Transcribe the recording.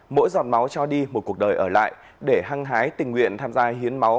mỗi giọt máu cho đi một cuộc đời ở lại để hăng hái tình nguyện tham gia hiến máu